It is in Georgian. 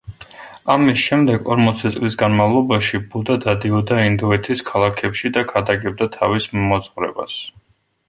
ამის შემდეგ ორმოცი წლის განმავლობაში ბუდა დადიოდა ინდოეთის ქალაქებში და ქადაგებდა თავის მოძღვრებას.